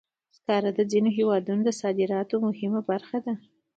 سکاره د ځینو هېوادونو د صادراتو مهمه برخه ده.